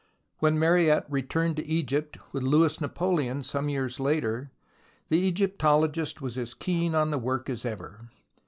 When Mariette returned to Egypt with Louis Napoleon some years later, the Egyptologist was as keen on the work as ever.